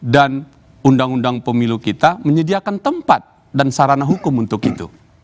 dan undang undang pemilu kita menyediakan tempat dan sarana hukum untuk itu